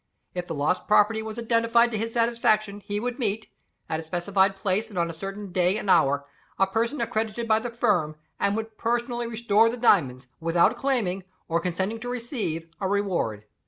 If the lost property was identified to his satisfaction, he would meet at a specified place and on a certain day and hour a person accredited by the firm and would personally restore the diamonds, without claiming (or consenting to receive) a reward.